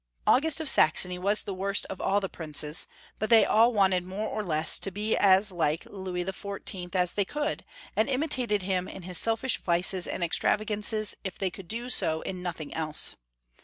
August of Saxony was the worst of all the princes, but they all wanted more or less to be as like Louis XIV. as they could, and imitated him in his selfish vices and extravagances if they could do so in nothing else.